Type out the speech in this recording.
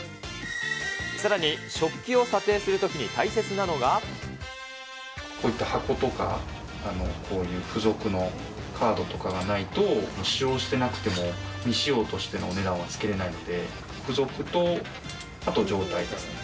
さらに食器を査定するときにこういった箱とか、こういう付属のカードとかがないと、使用してなくても未使用としてのお値段はつけれなくて、付属とあと状態ですね。